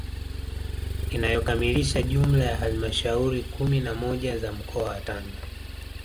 Inayokamilisha jumla ya halmashauri kumi na moja za mkoa wa Tanga